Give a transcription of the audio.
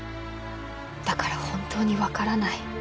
だから本当に分からない。